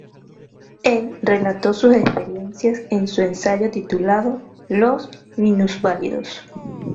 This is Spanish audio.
Él relató sus experiencias en su ensayo titulado, "Los minusválidos".